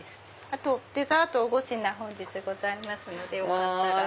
あとデザート５品本日ございますのでよかったら。